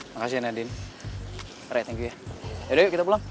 makasih nadine rai thank you ya yaudah yuk kita pulang